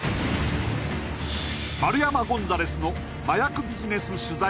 丸山ゴンザレスの麻薬ビジネス取材